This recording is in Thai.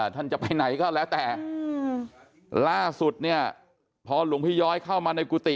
ท่านจะไปไหนก็แล้วแต่ล่าสุดเนี่ยพอหลวงพี่ย้อยเข้ามาในกุฏิ